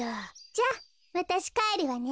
じゃあわたしかえるわね。